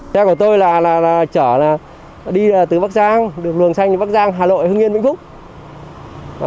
xe của tôi là chở đi từ bắc giang được luồng xanh bắc giang hà nội hưng yên vĩnh phúc